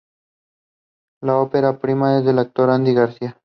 Es la ópera prima del actor Andy García.